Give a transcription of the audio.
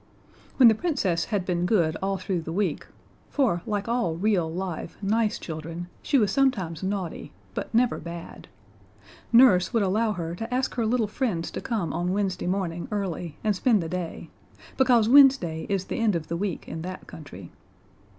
When the Princess had been good all through the week for, like all real, live, nice children, she was sometimes naughty, but never bad Nurse would allow her to ask her little friends to come on Wednesday morning early and spend the day, because Wednesday is the end of the week in that country.